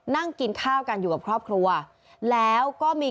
นั่งกินข้าวกันอยู่กับครอบครัวแล้วก็มี